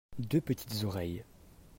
deux petites oreilles.